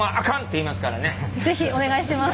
是非お願いします。